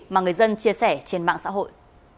mà người dân chia sẻ trên mạng xã hội